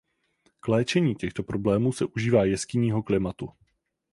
K léčení těchto problémů se užívá jeskynního klimatu.